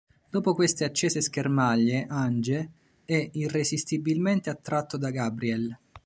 Dopo queste accese schermaglie Ange è irresistibilmente attratto da Gabrielle.